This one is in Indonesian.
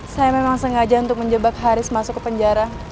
saya memang sengaja untuk menjebak haris masuk ke penjara